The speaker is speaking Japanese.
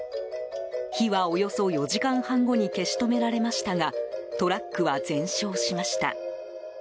火は、およそ４時間半後に消し止められましたがトラックは全焼しました。